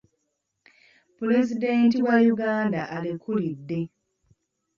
Pulezidenti wa Uganda alekulidde.